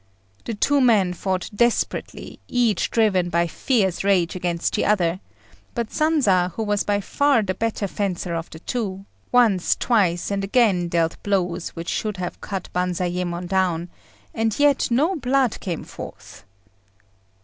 The two men fought desperately, each driven by fierce rage against the other; but Sanza, who was by far the better fencer of the two, once, twice, and again dealt blows which should have cut Banzayémon down, and yet no blood came forth.